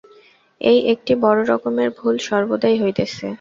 এই একটি বড় রকমের ভুল সর্বদাই হইতেছে।